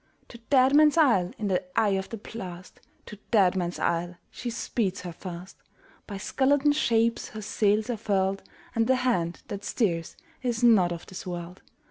To Deadman's Isle, in the eye of the blast, To Deadman's Isle, she speeds her fast; By skeleton shapes her sails are furled, And the hand that steers is not of this world!